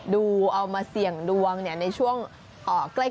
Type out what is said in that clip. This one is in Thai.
ดูเอามาเสี่ยงดวงเนี่ย